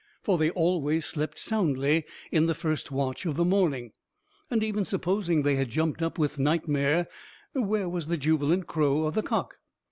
For they always slept soundly in the first watch of the morning; and even supposing they had jumped up with nightmare, where was the jubilant crow of the cock?